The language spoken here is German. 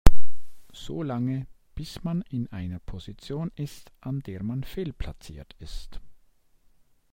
So lange, bis man in einer Position ist, an der man fehlplatziert ist.